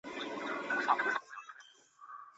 栖兰远环蚓为巨蚓科远环蚓属下的一个种。